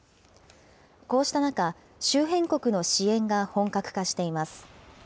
こうした中、周辺国の支援が本格化しています。